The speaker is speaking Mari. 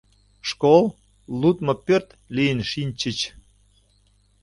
Школ, лудмо пӧрт лийын шинчыч.